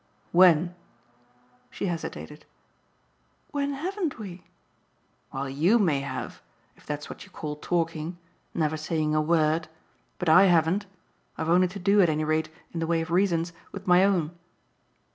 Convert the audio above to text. "When." She hesitated. "When HAVEN'T we?" "Well, YOU may have: if that's what you call talking never saying a word. But I haven't. I've only to do at any rate, in the way of reasons, with my own."